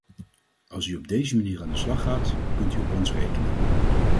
Als u op deze manier aan de slag gaat, kunt u op ons rekenen.